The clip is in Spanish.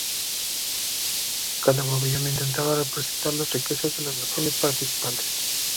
Cada pabellón intentaba representar las riquezas de las naciones participantes.